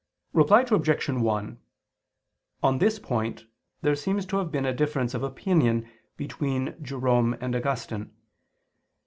Reply Obj. 1: On this point there seems to have been a difference of opinion between Jerome and Augustine.